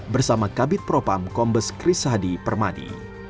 bersama kabit propam kombes kris hadi permadi